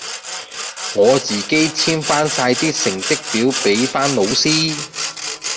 我自己簽返曬啲成績表俾返老師。